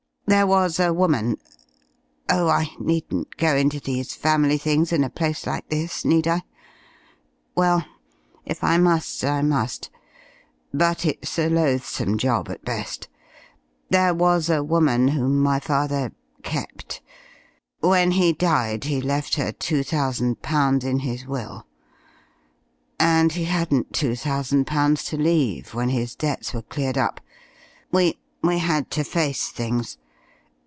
There was a woman oh, I needn't go into these family things, in a place like this, need I?... Well, if I must I must. But it's a loathsome job at best.... There was a woman whom my father kept. When he died he left her two thousand pounds in his will, and he hadn't two thousand pounds to leave when his debts were cleared up. We we had to face things.